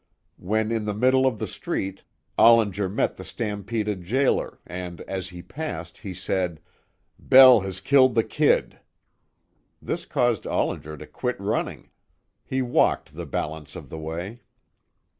When in the middle of the street, Ollinger met the stampeded jailer, and as he passed, he said: "Bell has killed the "Kid." This caused Ollinger to quit running. He walked the balance of the way.